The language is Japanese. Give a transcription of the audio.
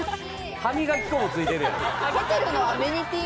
歯磨き粉も付いてるやん。